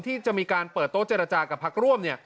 ที่จะมีการเปิดโต๊ะเจรจากับพรรคร่วม